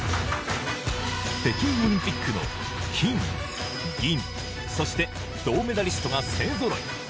北京オリンピックの金・銀、そして銅メダリストが勢ぞろい。